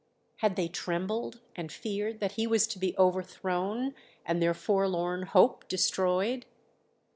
Had they trembled and feared that he was to be overthrown and their forlorn hope destroyed?